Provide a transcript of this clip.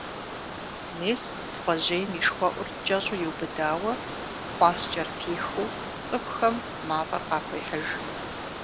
Мес Тхъуэжьейм и шхуэӀур кӀэщӀу иубыдауэ, хъуаскӀэр пихыу, цӀыхухэм мафӀэр къахуехьыж.